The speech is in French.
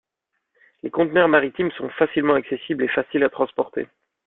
Les conteneurs maritimes sont facilement accessibles et faciles à transporter.